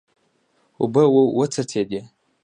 اوبه وڅڅېدې.